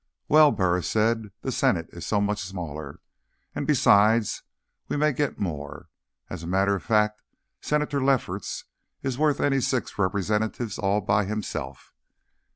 "Well," Burris said, "the Senate is so much smaller. And, besides, we may get more. As a matter of fact, Senator Lefferts is worth any six representatives all by himself."